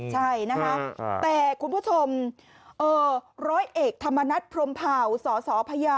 ใช่นะคะแต่คุณผู้ชมร้อยเอกธรรมนัฐพรมเผ่าสสพ